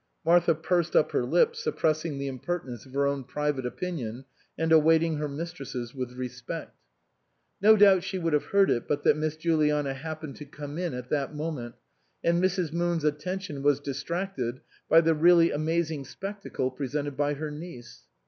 Martha pursed up her lips, suppressing the impertinence of her own private opinion and awaiting her mistress's with respect. No doubt she would have heard it but that Miss Juliana happened to come in at that moment, and Mrs. Moon's attention was dis tracted by the really amazing spectacle pre sented by her niece.